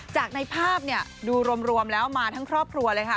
จากในภาพเนี่ยดูรวมแล้วมาทั้งครอบครัวเลยค่ะ